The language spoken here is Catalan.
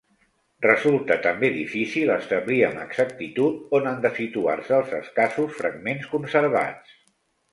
Resulta també difícil establir amb exactitud on han de situar-se els escassos fragments conservats.